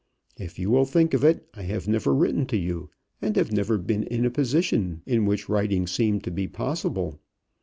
If you will think of it, I have never written to you, and have never been in a position in which writing seemed to be possible.